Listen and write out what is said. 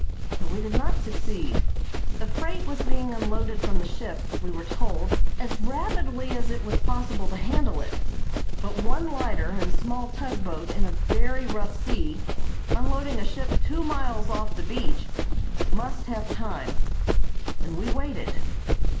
But we did not succeed. The freight was being unloaded from the ship, we were told, as rapidly as it was possible to handle it, but one lighter and small tug boat in a very rough sea, unloading a ship two miles off the beach, must have time; and we waited.